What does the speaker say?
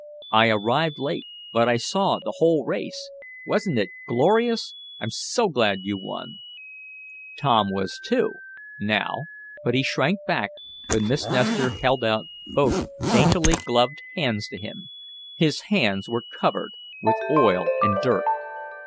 I arrived late, but I saw the whole race. Wasn't it glorious. I'm so glad you won!" Tom was too, now, but he shrank back when Miss Nestor held out both daintily gloved hands to him. His hands were covered with oil and dirt.